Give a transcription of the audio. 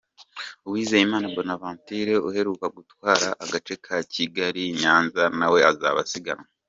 Uwizeyimana Bonaventure uheruka gutwara agace ka Kigali-Nyanza nawe azaba asiganwa .